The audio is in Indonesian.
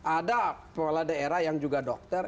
ada kepala daerah yang juga dokter